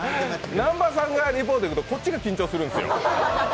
南波さんがリポート行くとこっち緊張するんですよ。